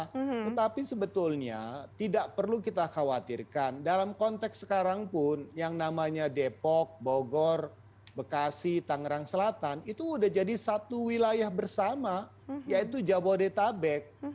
tetapi sebetulnya tidak perlu kita khawatirkan dalam konteks sekarang pun yang namanya depok bogor bekasi tangerang selatan itu sudah jadi satu wilayah bersama yaitu jabodetabek